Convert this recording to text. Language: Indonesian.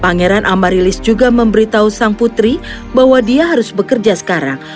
pangeran amarilis juga memberitahu sang putri bahwa dia harus bekerja sekarang